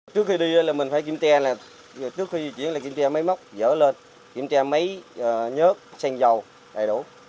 trước khi đi là mình phải kiểm tra là trước khi di chuyển là kiểm tra máy móc dở lên kiểm tra máy nhớt sen dầu đầy đủ